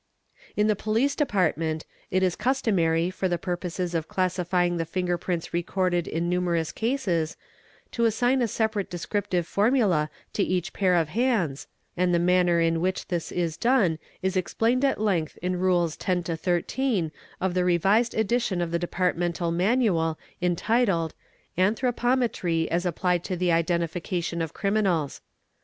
"In the police department, it is customary for the purposes of classi — fying the finger prints recorded in numerous cases to assign a separate descriptive formula to each pair of hands, and the manner in which this is done is explained at length in rules 11 to 13 of the revised edition of — the departmental manual entitled " Anthropometry as applied to the identification of criminals."